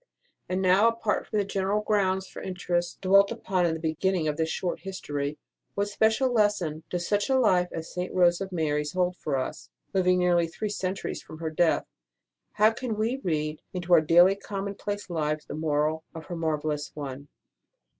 And now, apart from the general grounds for interest dwelt upon in the beginning of this short history, what special lesson does such a life as Rose of St. Mary s hold for us, living nearly three centuries from her death ? How can we read into our daily commonplace lives the moral of her marvellous one